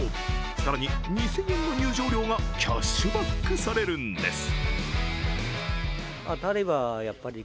更に２０００円の入場料がキャッシュバックされるんです。